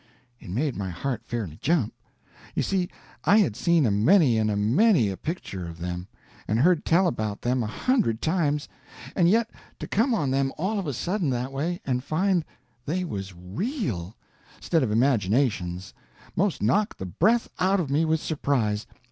It made my heart fairly jump. You see, I had seen a many and a many a picture of them, and heard tell about them a hundred times, and yet to come on them all of a sudden, that way, and find they was real, 'stead of imaginations, 'most knocked the breath out of me with surprise.